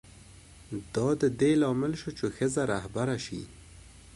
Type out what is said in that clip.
دا د دې لامل شو چې ښځه رهبره شي.